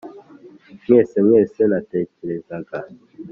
mwese mwese natekerezaga '.